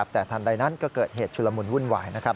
แต่ทันใดนั้นก็เกิดเหตุชุลมุนวุ่นวายนะครับ